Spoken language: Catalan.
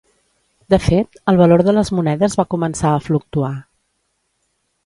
De fet, el valor de les monedes va començar a fluctuar.